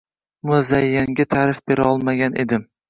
Muzayyanga ta’rif berolmagan edi